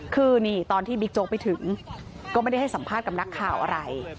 คือนี่ตอนที่บิ๊กโจ๊กไปถึงก็ไม่ได้ให้สัมภาษณ์กับนักข่าวอะไร